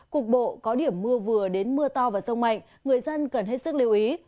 cũng có điểm mưa vừa đến mưa to và rông mạnh người dân cần hết sức lưu ý